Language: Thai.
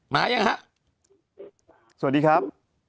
มายังฮะสวัสดีครับ